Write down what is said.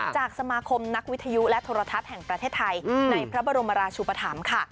จากสมาคมนักวิทยุและโทรทัศน์แห่งประเทศไทยในพระบรมราชุปธรรมค่ะ